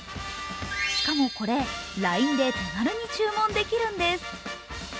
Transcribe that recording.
しかもこれ、ＬＩＮＥで手軽に注文できるんです。